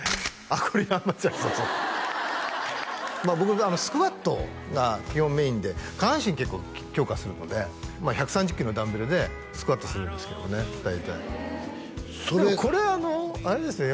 あっこれ山坂さん僕がスクワットが基本メインで下半身結構強化するので１３０キロのダンベルでスクワットするんですけどもね大体でもこれあのあれですね